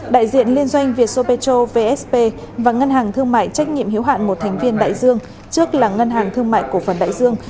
đại diện liên doanh vietso petro vsp và ngân hàng thương mại trách nhiệm hiếu hạn một thành viên đại dương trước là ngân hàng thương mại cổ phần đại dương